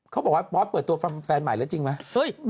เขาบอกว่าบอสเปิดตัวแฟนใหม่แล้วจริงไหม